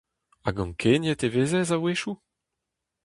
Hag ankeniet e vezez a-wechoù ?